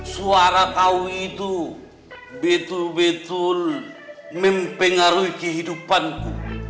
suara kau itu betul betul mempengaruhi kehidupanku